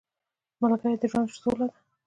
ملګری د ژوند سوله ده